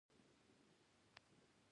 له جذامیانو سره به ډېر بد تبعیض کېده.